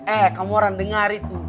eh kamu orang dengar itu